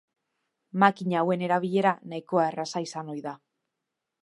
Makina hauen erabilera nahikoa erraza izan ohi da.